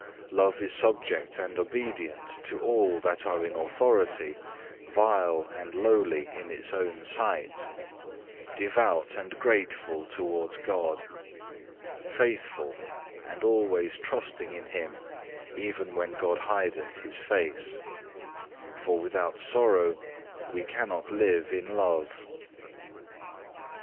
Love is subject and obedient to all that are in authority, vile and lowly in its own sight, devout and grateful towards God, faithful and always trusting in Him even when God hideth His face, for without sorrow we cannot live in love.